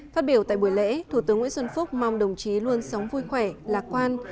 phát biểu tại buổi lễ thủ tướng nguyễn xuân phúc mong đồng chí luôn sống vui khỏe lạc quan